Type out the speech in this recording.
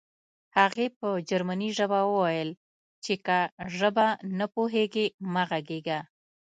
هغې په جرمني ژبه وویل چې که ژبه نه پوهېږې مه غږېږه